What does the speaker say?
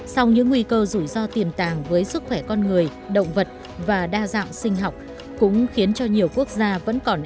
sau những nguy cơ rủi ro tiềm tàng với sức khỏe con người động vật và đa dạng sinh học cũng khiến cho nhiều quốc gia vẫn còn e ngại và cần phải cân nhắc